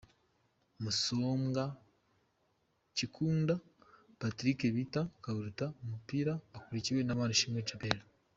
Musombwa Kikunda Patrick bita Kaburuta ku mupira akurikiwe na Manishimwe Djabel .